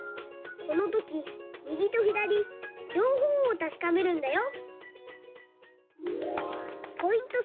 このときみぎとひだりりょうほうをたしかめるんだよ！